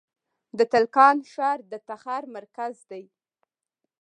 د تالقان ښار د تخار مرکز دی